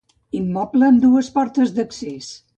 Immoble amb dues portes d'accés.